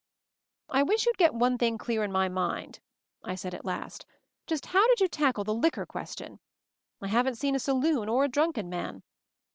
"I wish you'd get one thing clear in my mind," I said at last. "Just how did you tackle the liquor question. I haven't seen a saloon — or a drunken man.